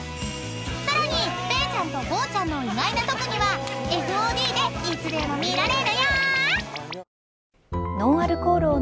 ［さらにぺーちゃんとごうちゃんの意外な特技はＦＯＤでいつでも見られるよ］